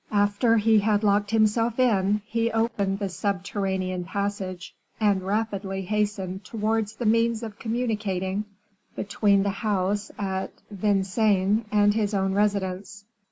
After he had locked himself in, he opened the subterranean passage, and rapidly hastened towards the means of communicating between the house at Vincennes and his own residence.